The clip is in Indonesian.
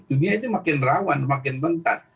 dunia itu makin rawan makin bentar